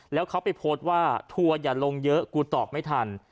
แล้วเขาไปโพสต์ว่าทัวร์อย่าลงเยอะกูตอบไม่ทัน